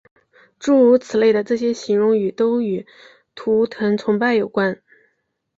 诸如此类的这些形容语都与图腾崇拜有关。